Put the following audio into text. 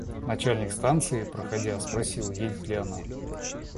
Начальник станции, проходя, спросил, едет ли она.